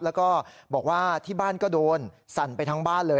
แล้วก็บอกว่าที่บ้านก็โดนสั่นไปทั้งบ้านเลย